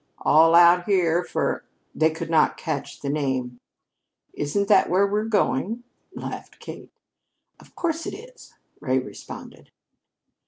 "All out here for " They could not catch the name. "Isn't that where we're going?" laughed Kate. "Of course it is," Ray responded.